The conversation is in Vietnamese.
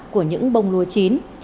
của những bông lúa chín